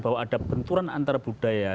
bahwa ada benturan antara budaya